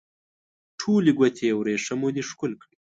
ټولې ګوتې یې وریښمو دي ښکل کړي